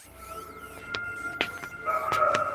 زلمي کلونه د زمان پر ګوتو ورغړېدل !.